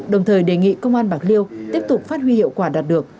đồng thời đề nghị công an bạc liêu tiếp tục phát huy hiệu quả đạt được